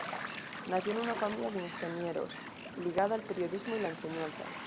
Nació en una familia de ingenieros, ligada al periodismo y la enseñanza.